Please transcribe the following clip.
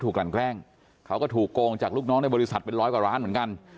กลั่นแกล้งเขาก็ถูกโกงจากลูกน้องในบริษัทเป็นร้อยกว่าร้านเหมือนกัน